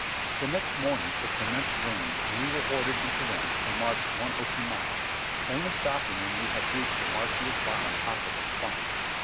The next morning it commenced raining and we were ordered into ranks and marched one or two miles, only stopping when we had reached the marshiest bottom possible to find.